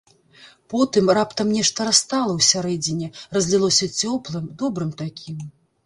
Потым раптам нешта растала ўсярэдзіне, разлілося цёплым, добрым такім.